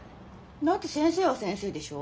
だって先生は先生でしょ。